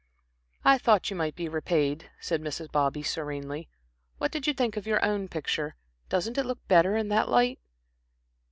"I thought you might be repaid," said Mrs. Bobby, serenely. "What did you think of your own picture? Doesn't it look better in that light?"